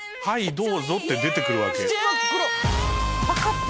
はいどうぞって出てくるわけ真っ黒パカ